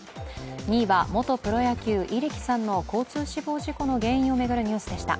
２位は元プロ野球・入来さんの交通死亡事故の原因を巡るニュースでした。